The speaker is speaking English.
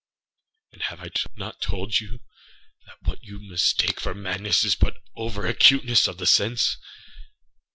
And have I not told you that what you mistake for madness is but over acuteness of the sense?